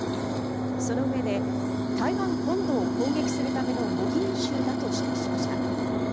そのうえで台湾本土を攻撃するための模擬演習だと指摘しました。